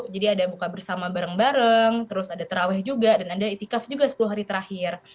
jadi ada buka bersama bareng bareng terus ada terawih juga dan ada itikaf juga sepuluh hari terakhir